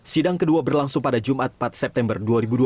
sidang kedua berlangsung pada jumat empat september dua ribu dua puluh